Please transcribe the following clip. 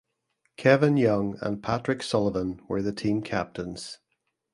Kevin Young and Patrick Sullivan were the team captains.